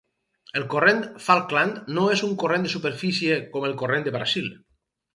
El Corrent Falkland no és un corrent de superfície com el Corrent de Brasil.